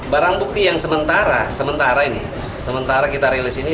barang bukti yang sementara sementara ini sementara kita rilis ini